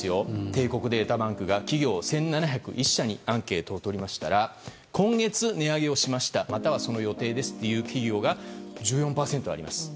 帝国データバンクが企業１７０１社にアンケートをとりましたら今月値上げをしましたまたはその予定ですという企業が１４％あります。